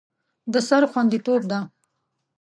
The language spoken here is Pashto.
د سر خوندیتوب ده.